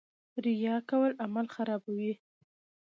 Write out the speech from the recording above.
ریا کول عمل خرابوي